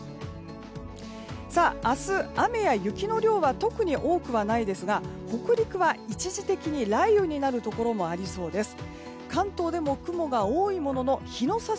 明日、雨や雪の量は特に多くはないですが北陸は一時的に、雷雨になるところもありそうです。